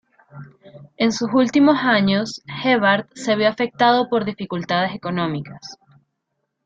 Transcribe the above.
En sus últimos años, Gebhard se vio afectado por dificultades económicas.